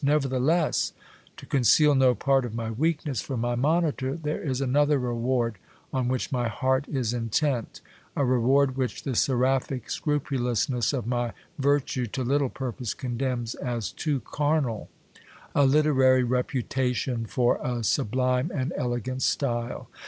Nevertheless, to conceal no part of my weakness from my monitor, there is another reward on which my heart is intent, a reward which the seraphic scrupulousness of my virtue to little purpose condemns as too carnal ; a literary reputation for a sub lime and elegant style.